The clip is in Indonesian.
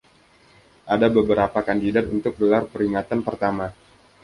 Ada beberapa kandidat untuk gelar peringatan pertama.